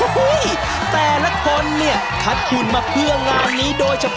ให้ก่อนให้ทุกคนมาเอาจากที่แน่